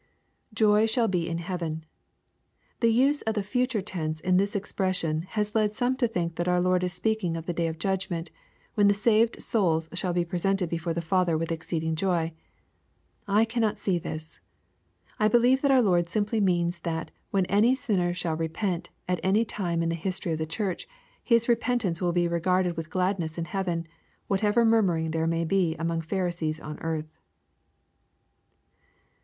\Joy shall he in heaven^ The use of the future tense in this ex pression, has led some to think that our Lord is speaking of the day of judgment, when the saved souls shall be presented before the Father with exceeding joy. I cannot see this. I believe that our Lord simply means that when any sinner shall repent, at any time in the history of the Church, his repentance will be regarded with gladness in heaven, whatever murmuring there may be among Pharisees on earth.